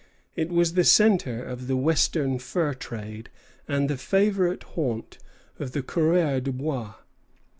It was the centre of the western fur trade and the favorite haunt of the coureurs de bois.